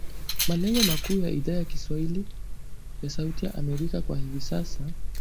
Malengo makuu ya Idhaa ya kiswahili ya Sauti ya Amerika kwa hivi sasa.